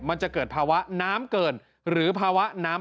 มันจะเกิดภาวะน้ำเกิน